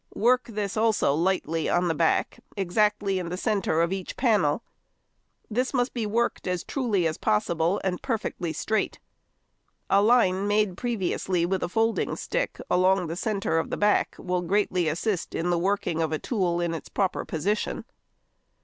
Work this also lightly on the back exactly in the centre of each panel. This must be worked as truly as possible and perfectly straight. A line made previously with a folding stick along the centre of the back will greatly assist in the working of a tool in its proper position.